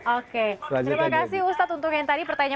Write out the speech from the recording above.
oke terima kasih ustadz untuk yang tadi pertanyaannya